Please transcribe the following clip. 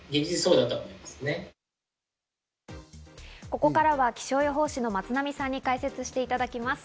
ここからは気象予報士の松並さんに解説していただきます。